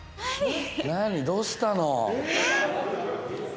何、どうしたの？